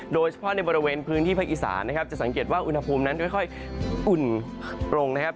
โดยเฉพาะในบริเวณพื้นที่พระอีสานจะสังเกตว่าอุณหภูมินั้นค่อยอุ่นลง